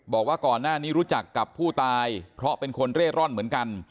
บอกว่าก่อนหน้านี้รู้จักกับผู้ตายเพราะเป็นคนเร่ร่อนเหมือนกัน